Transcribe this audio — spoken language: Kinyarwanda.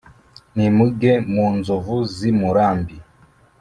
nimuge mu nzovu z’i murambi